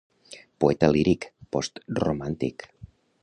Poeta líric, postromàntic.